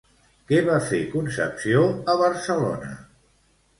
Què va fer Concepció a Barcelona?